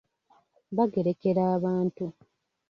Bagerekera abantu.